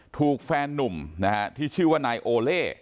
ถูกแฟนนุ่มนะฮะที่ชื่อว่านายโอเล่